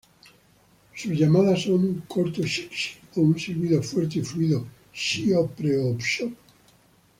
Sus llamadas son un corto "chik-chick" o un silbido fuerte y fluido "cheoop-preeoo-chop".